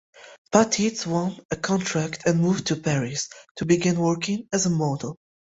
Patitz won a contract and moved to Paris to begin working as a model.